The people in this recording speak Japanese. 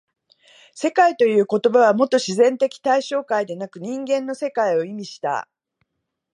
「世界」という言葉はもと自然的対象界でなく人間の世界を意味した。